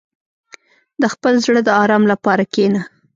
• د خپل زړه د آرام لپاره کښېنه.